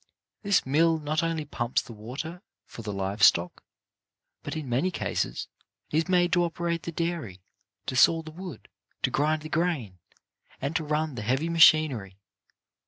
This mill not only pumps the water for the live stock, but, in many cases, is made to operate the dairy, to saw the wood, to grind the grain, and to run the heavy machinery.